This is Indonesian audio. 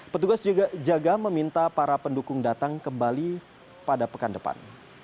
petugas juga jaga meminta para pendukung datang kembali pada pekan depan